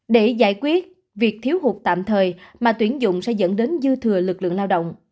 để giải quyết việc thiếu hụt tạm thời mà tuyển dụng sẽ dẫn đến dư thừa lực lượng lao động